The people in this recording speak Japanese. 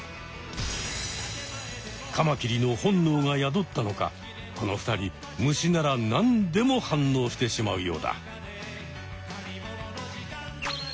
カマキリの本能が宿ったのかこの２人虫ならなんでも反応してしまうようだ。